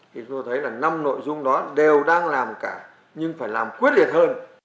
thì chúng tôi thấy là năm nội dung đó đều đang làm cả nhưng phải làm quyết liệt hơn